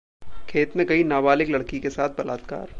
खेत में गई नाबालिग लड़की के साथ बलात्कार